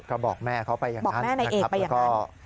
ก็บอกแม่เขาไปอย่างนั้นบอกแม่ในเอกไปอย่างนั้น